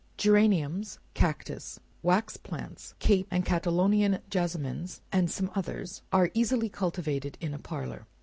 Geraniums, cactus', wax plants, cape and catalonian jessamines, and some others, are easily cultivated in a parlor.